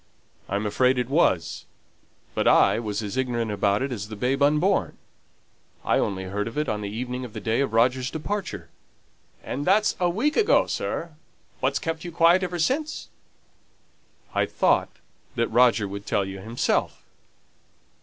"I'm afraid it was. But I was as ignorant about it as the babe unborn. I only heard of it on the evening of the day of Roger's departure." "And that's a week ago, sir. What's kept you quiet ever since?" "I thought that Roger would tell you himself."